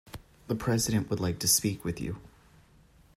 The President would like to speak with you.